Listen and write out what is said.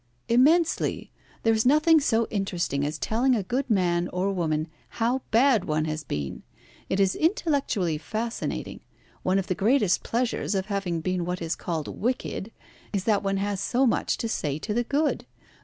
"Immensely. There is nothing so interesting as telling a good man or woman how bad one has been. It is intellectually fascinating. One of the greatest pleasures of having been what is called wicked is, that one has so much to say to the good.